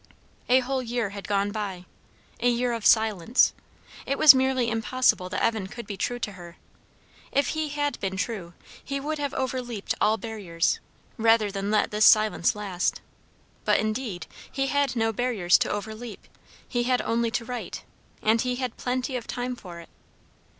A whole year had gone by, a year of silence; it was merely impossible that Evan could be true to her. If he had been true, he would have overleaped all barriers, rather than let this silence last; but indeed he had no barriers to overleap; he had only to write; and he had plenty of time for it.